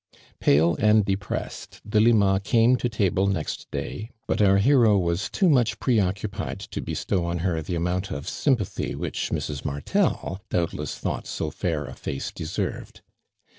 Pale and depressed^ Delima came to table next day, but our hero was too much preoccupied to bestow on her the amount ofsymp. ithy which Mrs. Martel doubtless thought 80 fair a face dt^serted.